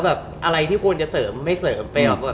แบบอะไรที่ควรจะเสริมไม่เสริมไป